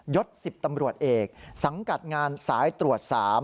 ยศสังกัดงานสายตรวจ๓